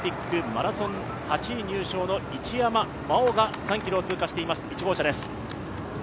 マラソン８位入賞の一山麻緒が３ｋｍを通過しています。